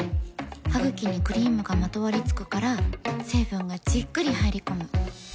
ハグキにクリームがまとわりつくから成分がじっくり入り込む。